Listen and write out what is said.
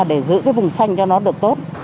để giữ vùng xanh cho nó được tốt